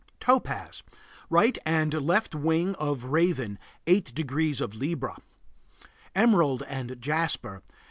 Topaz. Right and left wing of Raven 8° of Libra. Emerald and Jasper.